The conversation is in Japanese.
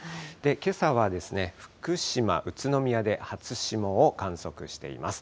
けさは福島、宇都宮で初霜を観測しています。